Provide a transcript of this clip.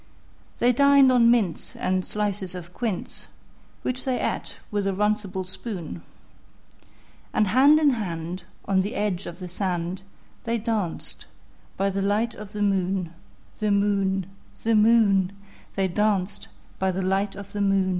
They dined on mince and slices of quince, Which they ate with a runcible spoon; And hand in hand, on the edge of the sand, They danced by the light of the moon, The moon, The moon, They danced by the light of the moon.